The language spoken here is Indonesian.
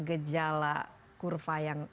gejala kurva yang